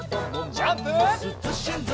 ジャンプ！